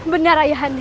benar ayah anda